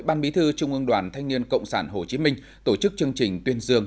ban bí thư trung ương đoàn thanh niên cộng sản hồ chí minh tổ chức chương trình tuyên dương